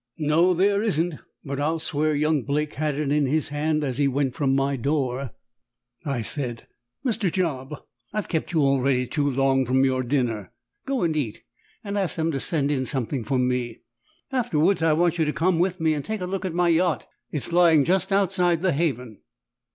"No, there isn't; but I'll swear young Mr. Blake had it in his hand as he went from my door." I said, "Mr. Job, I've kept you already too long from your dinner. Go and eat, and ask them to send in something for me. Afterwards, I want you to come with me and take a look at my yacht, that is lying just outside the haven."